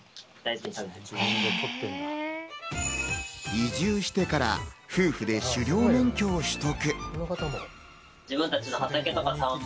移住してから、夫婦で狩猟免許を取得。